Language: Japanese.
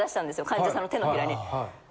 患者さんの手のひらに。